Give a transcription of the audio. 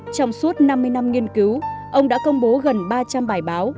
trong suốt năm mươi năm nghiên cứu ông đã công bố gần ba trăm linh bài báo